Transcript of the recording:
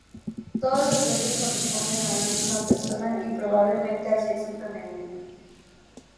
Todos los huesos corresponden a una misma persona y probablemente al sexo femenino.